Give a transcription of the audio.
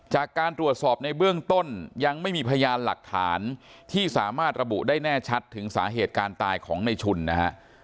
จากการตรวจสอบในเบื้องต้นยังไม่มีพยานหลักฐานที่สามารถระบุได้แน่ชัดถึงสาเหตุการตายของในชุนนะฮะ